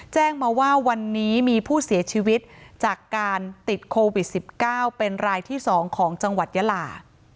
แจ้งมาว่าวันนี้มีผู้เสียชีวิตจากการติดโควิด๑๙เป็นรายที่๒ของจังหวัดยาลา